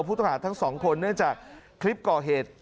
ผู้ต้องหาทั้งสองคนเนื่องจากคลิปก่อเหตุ